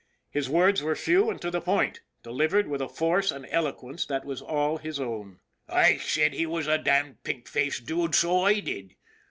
His words were few and to the point, delivered with a force and eloquence that was all his own :" I sed he was a damned pink faced dude, so I did.